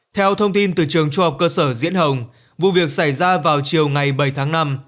theo thông tin từ trường trung học cơ sở diễn hồng vụ việc xảy ra vào chiều ngày bảy tháng năm